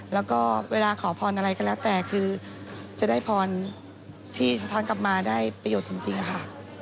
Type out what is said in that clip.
แล้วก็เวลาขอพรอะไรก็แล้วแต่คือจะได้พรที่สะท้อนกลับมาได้ประโยชน์จริงค่ะ